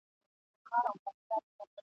هر غلام او هر مریی ورته بادار سي ..